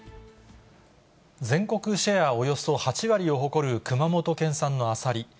全国シェアおよそ８割を誇る熊本県産のアサリ。